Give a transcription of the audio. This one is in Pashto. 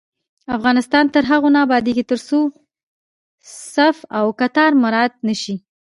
افغانستان تر هغو نه ابادیږي، ترڅو صف او کتار مراعت نشي.